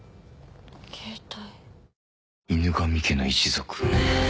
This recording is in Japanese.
携帯。